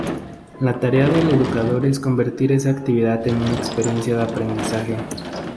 La tarea del educador es convertir esa actividad en una experiencia de aprendizaje.